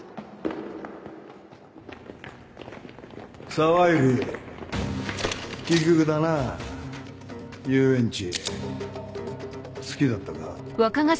・沢入・奇遇だなぁ。遊園地好きだったか。